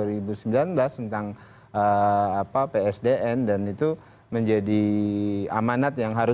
harus ditangani sama terhadap pemerintah dan melakukan kegiatan kemampuan tersebut dan itu menjadi amanat yang harus